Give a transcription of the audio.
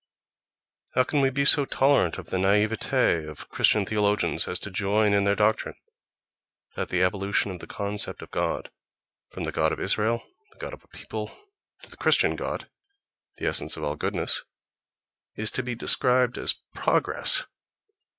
—How can we be so tolerant of the naïveté of Christian theologians as to join in their doctrine that the evolution of the concept of god from "the god of Israel," the god of a people, to the Christian god, the essence of all goodness, is to be described as progress?